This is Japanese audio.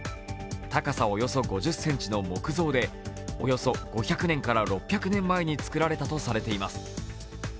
高さおよそ５０ｃｍの木造でおよそ５００年から６００年前につくられたとしています。